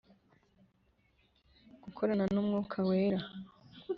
gukorana n umwuka wera